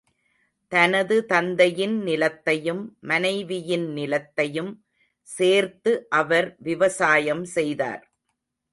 தனது தந்தையின் நிலத்தையும், மனைவியின் நிலத்தையும் சேர்த்து அவர் விவசாயம் செய்தார்.